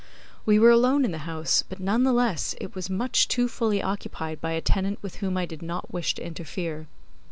We were alone in the house, but none the less it was much too fully occupied by a tenant with whom I did not wish to interfere.